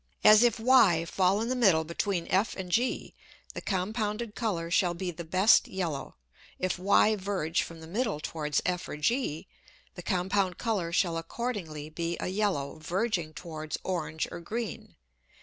As if Y fall in the middle between F and G, the compounded Colour shall be the best yellow; if Y verge from the middle towards F or G, the compound Colour shall accordingly be a yellow, verging towards orange or green.